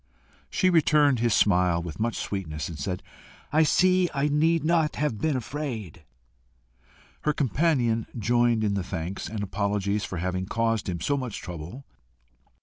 She returned his smile with much sweetness, and said "I see I need not have been afraid." Her companion joined in thanks and apologies for having caused him so much trouble.